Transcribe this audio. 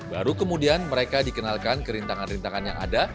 baru kemudian mereka dikenalkan kerintangan kerintangan yang ada